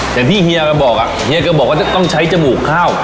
อย่างที่เฮียกับบอกอ่ะเฮียกับบอกว่าจะต้องใช้จมูกข้าว